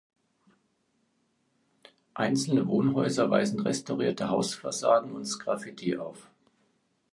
Einzelne Wohnhäuser weisen restaurierte Hausfassaden und Sgraffiti auf.